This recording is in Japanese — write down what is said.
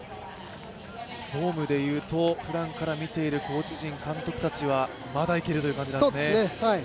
フォームで言うと、ふだんから見ているコーチ陣、監督陣はまだいけるという感じなんですね。